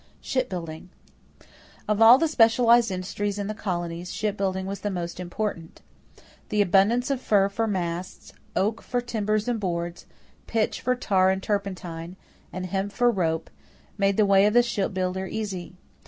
=Shipbuilding.= Of all the specialized industries in the colonies, shipbuilding was the most important. The abundance of fir for masts, oak for timbers and boards, pitch for tar and turpentine, and hemp for rope made the way of the shipbuilder easy.